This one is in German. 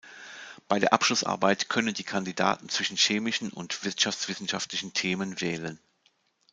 Bei der Abschlussarbeit können die Kandidaten zwischen chemischen und wirtschaftswissenschaftlichen Themen wählen.